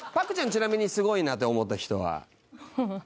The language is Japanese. ちなみにすごいなって思った人は？